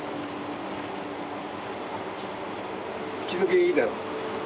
口溶けいいだろ。